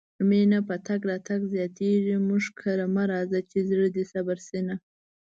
مينه په تګ راتګ زياتيږي مونږ کره مه راځه چې زړه دې صبر شينه